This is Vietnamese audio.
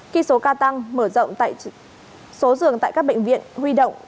khi số ca tăng mở rộng số giường tại các bệnh viện huy động